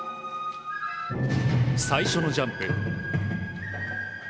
最初のジャンプ。